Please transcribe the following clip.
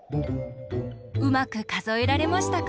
うまくかぞえられましたか？